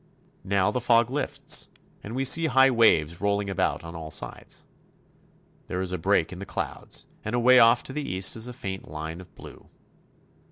Now the fog lifts, and we see high waves rolling about on all sides. There is a break in the clouds, and away off to the east is a faint line of blue.